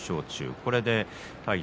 これで対宝